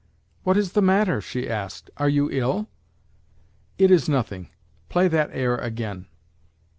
"What is the matter?" she asked. "Are you ill?" "It is nothing; play that air again."